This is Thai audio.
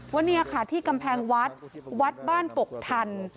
ว่านี่ค่ะที่กำแพงวัดวัดบ้านกกทัน